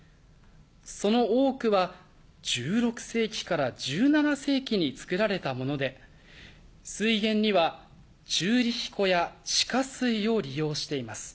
その多くは１６世紀から１７世紀に造られたもので水源にはチューリヒ湖や地下水を利用しています。